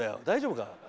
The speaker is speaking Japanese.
大丈夫か？